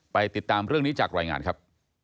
ติดตามเรื่องนี้จากรายงานครับ